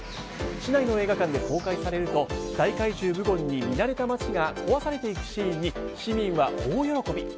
市内の映画館で公開されると大怪獣ブゴンに見慣れた街が壊されていくシーンに市民は大喜び。